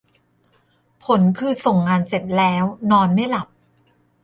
ผลคือส่งงานเสร็จแล้วนอนไม่หลับ !